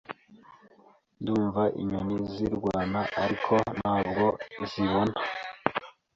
Ndumva inyoni zirwana Ariko ntabwo nzibona